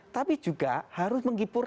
tapi juga harus menggibar